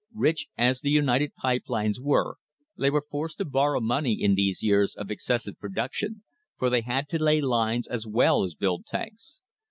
Rich as the United Pipe Lines were they were forced to bor row money in these years of excessive production, for they had to lay lines as well as build tanks.